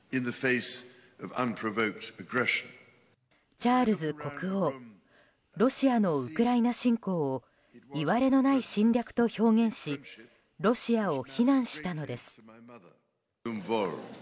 チャールズ国王ロシアのウクライナ侵攻をいわれのない侵略と表現しロシアを非難したのです。